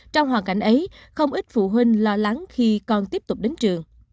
trong hoàn cảnh ấy không ít phụ huynh lo lắng khi con tiếp tục đến trường